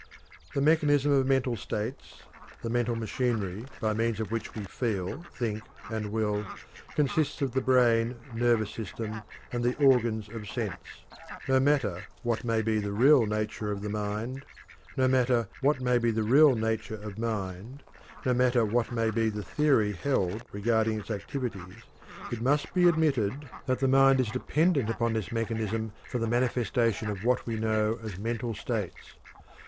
The mechanism of mental states the mental machinery by means of which we feel, think, and will consists of the brain, nervous system, and the organs of sense. No matter what may be the real nature of mind, no matter what may be the theory held regarding its activities, it must be admitted that the mind is dependent upon this mechanism for the manifestation of what we know as mental states.